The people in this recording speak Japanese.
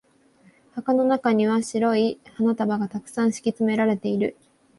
箱の中には白い花束が沢山敷き詰められている。